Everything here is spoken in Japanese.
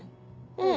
うん。